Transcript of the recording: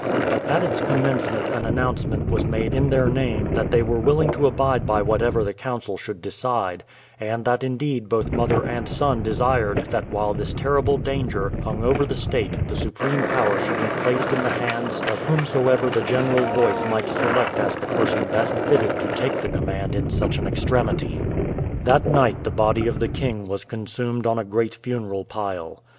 But at its commencement an announcement was made in their name that they were willing to abide by whatever the council should decide, and that indeed both mother and son desired that while this terrible danger hung over the state the supreme power should be placed in the hands of whomsoever the general voice might select as the person best fitted to take the command in such an extremity. That night the body of the king was consumed on a great funeral pile.